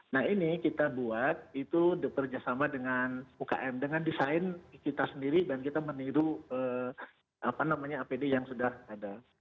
nah ini kita buat itu bekerjasama dengan ukm dengan desain kita sendiri dan kita meniru apd yang sudah ada